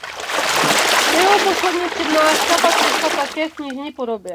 Jeho poslední přednáška pak vyšla také v knižní podobě.